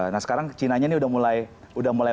nah sekarang chinanya ini udah mulai